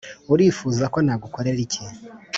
urifuza ko nagukorera iki